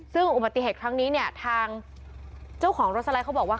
ซึ่งอุบัติเหตุครั้งนี้เนี่ยทางเจ้าของรถสไลด์เขาบอกว่า